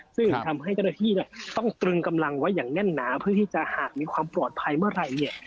ซึ่งทำให้เจ้าหน้าที่เนี่ยต้องตรึงกำลังไว้อย่างแน่นหนาเพื่อที่จะหากมีความปลอดภัยเมื่อไหร่เนี่ย